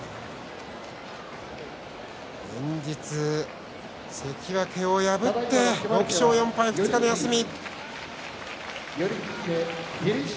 連日、関脇を破って６勝４敗２日の休み。